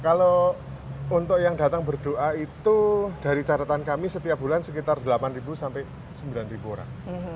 kalau untuk yang datang berdoa itu dari catatan kami setiap bulan sekitar delapan sampai sembilan orang